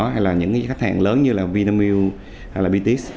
hay là những khách hàng lớn như là vinamilk hay là btis